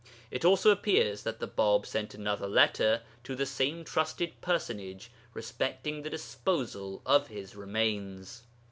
It also appears that the Bāb sent another letter to the same trusted personage respecting the disposal of his remains.